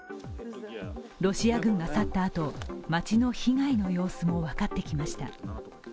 ロシア軍が去ったあと、街の被害の様子も分かってきました。